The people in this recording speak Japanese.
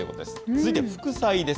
続いて副菜です。